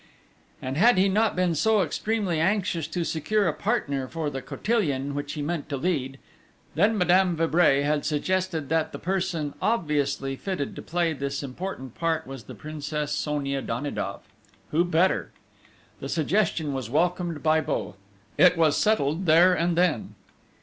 And had he not been so extremely anxious to secure a partner for the cotillion which he meant to lead!... Then Madame de Vibray had suggested that the person obviously fitted to play this important part was the Princess Sonia Danidoff! Who better! The suggestion was welcomed by both: it was settled there and then.